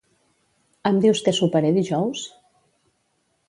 Em dius què soparé dijous?